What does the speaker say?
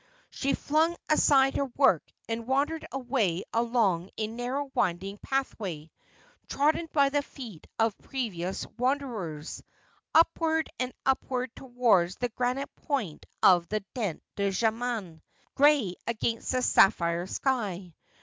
She flung aside her work, and wandered away along a narrow winding pathway, trodden by the feet of previous wan derers, upward and upward towards the granite point of the Dent du Jaman, gray against the sapphire sky.